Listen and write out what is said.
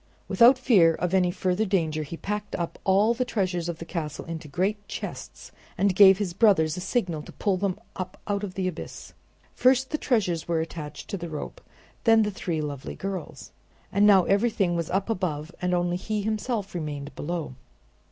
Without fear of any further danger, he packed up all the treasures of the castle into great chests and gave his brothers a signal to pull them up out of the abyss. First the treasures were attached to the rope and then the three lovely girls. And now everything was up above and only he himself remained below.